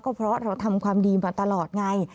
เพราะเราทำความดีมาตลอดไง